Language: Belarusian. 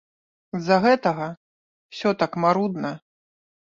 З-за гэтага ўсё так марудна.